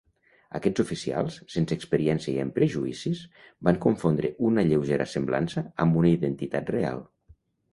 Aquests oficials, sense experiència i amb prejudicis, van confondre una lleugera semblança amb una identitat real.